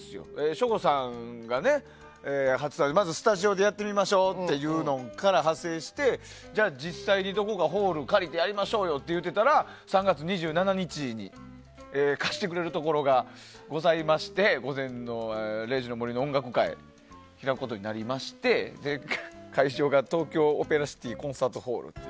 省吾さんがスタジオでやってみましょうっていうのから派生して、じゃあ実際にどこかホールを借りてやりましょうよと言うてたら３月２７日に貸してくれるところがありまして「午前０時の森音楽会」を開くことになりまして会場が東京オペラシティコンサートホール。